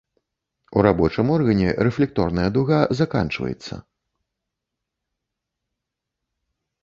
У рабочым органе рэфлекторная дуга заканчваецца.